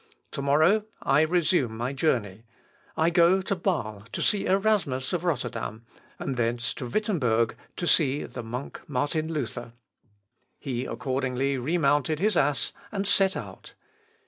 To morrow I resume my journey. I go to Bâle to see Erasmus of Rotterdam, and thence to Wittemberg to see the monk Martin Luther." He accordingly remounted his ass and set out.